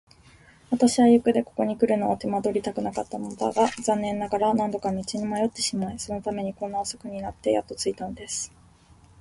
私は雪でここにくるのを手間取りたくなかったのだが、残念ながら何度か道に迷ってしまい、そのためにこんなに遅くなってやっと着いたのです。